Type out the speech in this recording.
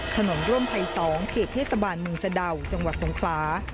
ถนนร่วมไทย๒เขตเทศบาลเมืองสะดาวจังหวัดสงขลา